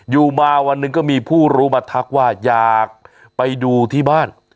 อยู่มาวันหนึ่งก็มีผู้รู้มาทักว่าอยากไปดูที่บ้าน